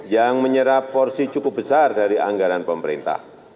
yang menyerap porsi cukup besar dari anggaran pemerintah